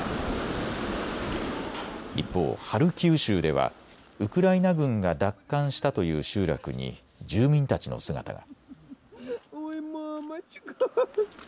一方、ハルキウ州ではウクライナ軍が奪還したという集落に住民たちの姿が。